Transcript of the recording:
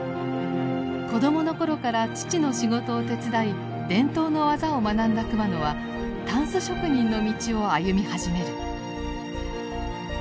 子どもの頃から父の仕事を手伝い伝統の技を学んだ熊野は箪笥職人の道を歩み始める。